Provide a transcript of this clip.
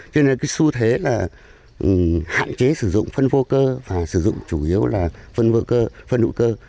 cho nên cái xu thế là hạn chế sử dụng phân vô cơ và sử dụng chủ yếu là phân vô cơ phân hữu cơ